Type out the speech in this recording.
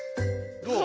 どう？